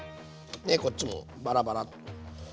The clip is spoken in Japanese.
でこっちもバラバラッと。